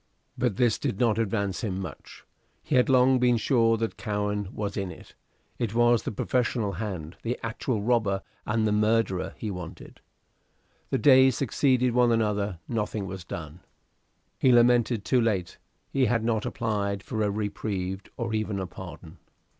But this did not advance him much. He had long been sure that Cowen was in it. It was the professional hand, the actual robber and murderer, he wanted. The days succeeded one another: nothing was done. He lamented, too late, he had not applied for a reprieve, or even a pardon.